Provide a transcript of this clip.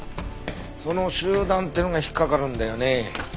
その「集団」ってのが引っかかるんだよね。